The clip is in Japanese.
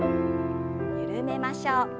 緩めましょう。